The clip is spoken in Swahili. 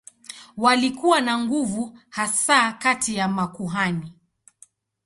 Walikuwa na nguvu hasa kati ya makuhani.